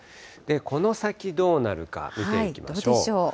この先どうなるか見ていきましょどうでしょう。